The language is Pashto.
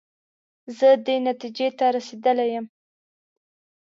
زه دې نتیجې ته رسېدلی یم.